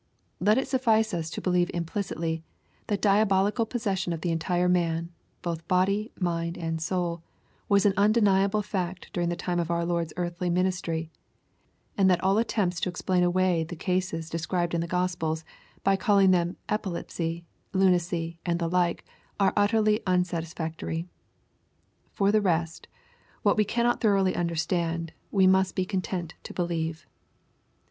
Let it suffice us to believe implicitly, that diabolical possession of the entire man, both body, mind, and soul, was an undeniable &ct during the time of our Lord's earthly ministry, and that all at tempts to explain away the cases described in the Gh)spe]s, by calling them epilepsy, lunacy, and the like, are utterly unsatisfac tory. For the rest^ what we cannot thoroughly understand, we must be content to believe.